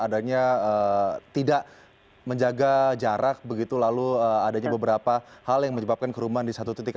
dan tidak menjaga jarak begitu lalu adanya beberapa hal yang menyebabkan keruman di satu titik